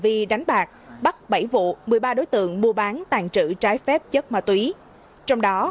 vi đánh bạc bắt bảy vụ một mươi ba đối tượng mua bán tàn trữ trái phép chất ma túy trong đó